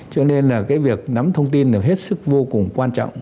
cho nên là cái việc nắm thông tin là hết sức vô cùng quan trọng